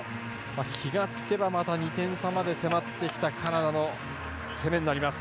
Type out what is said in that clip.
気がつけばまた２点差まで迫ってきたカナダの攻めになります。